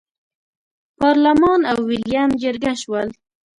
پارلمان او ویلیم جرګه شول.